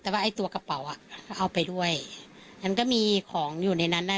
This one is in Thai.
แต่ว่าไอ้ตัวกระเป๋าอ่ะเอาไปด้วยฉันก็มีของอยู่ในนั้นน่ะ